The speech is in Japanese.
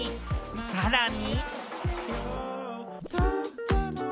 さらに。